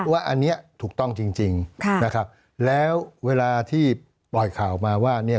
ว่าอันนี้ถูกต้องจริงจริงค่ะนะครับแล้วเวลาที่ปล่อยข่าวออกมาว่าเนี่ย